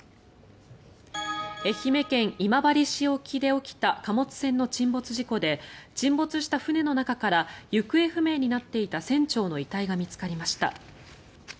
愛媛県今治市沖で起きた貨物船の沈没事故で沈没した船の中から行方不明になっていた船長の遺体が見つかりました。